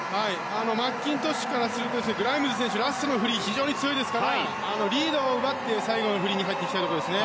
マッキントッシュからすると、グライムズラストのフリーが非常に強いですからリードを奪って最後のフリーに入っていきたいところですね。